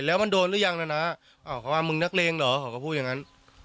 แล้วมันโดนหรือยังนะอ้าวเขาว่ามึงนักเลงเหรอเขาก็พูดอย่างนั้น